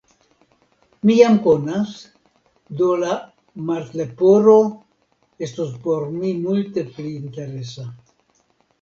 mi jam konas; do la Martleporo estos por mi multe pli interesa.